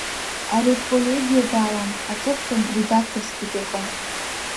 Аредколегиа далан, аҵыхәтәан редакторсгьы дыҟан.